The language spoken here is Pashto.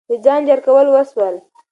د ځان جار کول وسول.